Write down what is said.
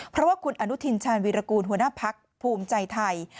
เพราะว่าคุณอนุทินชาญวีรกูลหัวหน้าพักภูมิใจไทย